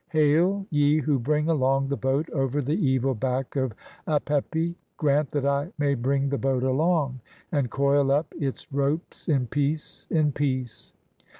"Hail, ye who bring along the boat over the evil back [of "Apepi], grant that I may bring the boat along, and coil up "(3) [its] ropes in peace, in peace.